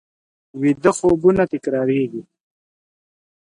ویده خوبونه تکرارېږي